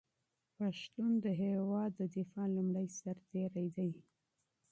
پښتون د هېواد د دفاع لومړی سرتېری دی.